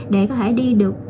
để có thể đi được